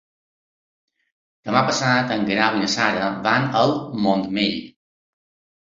Demà passat en Guerau i na Sara van al Montmell.